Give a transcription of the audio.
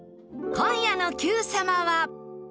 今夜の『Ｑさま！！』は。